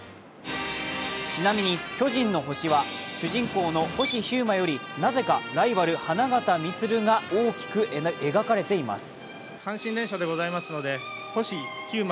ちなみに「巨人の星」は主人公の星飛雄馬よりなぜかライバル・花形満が大きく描かれています。